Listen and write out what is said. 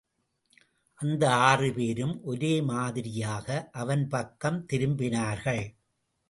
அந்த ஆறு பேரும் ஒரே மாதிரியாக, அவன் பக்கம் திரும்பினார்கள்.